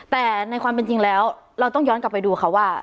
แต่ในความเป็นจริงแล้วเราต้องย้อนกลับไปดูค่ะว่า